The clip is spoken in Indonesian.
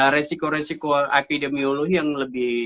resiko resiko epidemiologi yang lebih